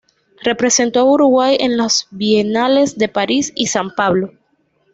Representó a Uruguay en las Bienales de París y San Pablo.